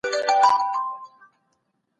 مونږ بايد تر کليشه يي فکرونو نويو ته ځای ورکړو.